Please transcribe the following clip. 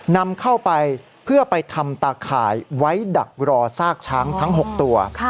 นำเข้าไปเพื่อไปทำตาข่ายไว้ดักรอซากช้างทั้ง๖ตัว